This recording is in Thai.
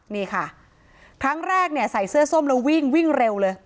นี่ค่ะครั้งแรกเนี่ยใส่เสื้อส้มแล้ววิ่งวิ่งเร็วเลย